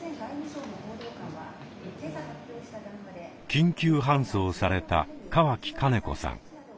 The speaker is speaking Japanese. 緊急搬送された川木金子さん。